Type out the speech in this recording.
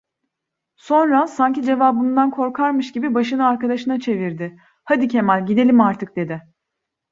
Sonra, sanki cevabımdan korkarmış gibi başını arkadaşına çevirdi: "Hadi Kemal, gidelim artık!" dedi.